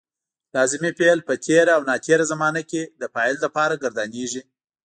لازمي فعل په تېره او ناتېره زمانه کې د فاعل لپاره ګردانیږي.